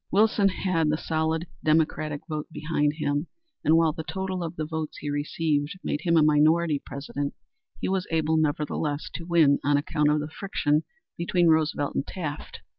Wilson had the solid Democratic vote behind him, and while the total of the votes he received made him a minority president, he was able nevertheless to win on account of the friction between Roosevelt and Taft.